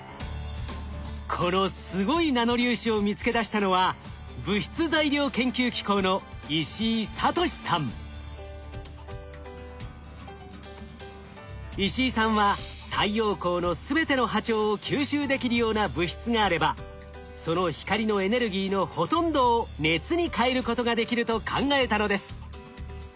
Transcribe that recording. このすごいナノ粒子を見つけ出したのは石井さんは太陽光の全ての波長を吸収できるような物質があればその光のエネルギーのほとんどを熱に変えることができると考えたのです。